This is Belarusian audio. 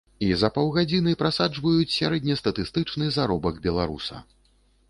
І за паўгадзіны прасаджваюць сярэднестатыстычны заробак беларуса.